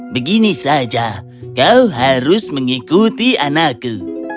begini saja kau harus mengikuti anakku